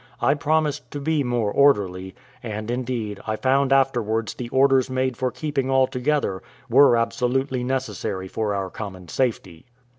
I promised to be more orderly; and, indeed, I found afterwards the orders made for keeping all together were absolutely necessary for our common safety.